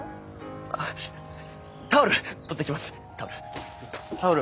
あっタオル取ってきますタオル。